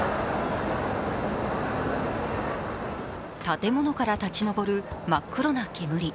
建物から立ち上る真っ黒な煙。